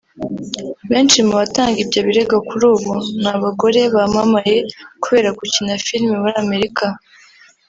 Benshi mu batanga ibyo birego kuri ubu ni abagore bamamaye kubera gukina filimi muri Amerika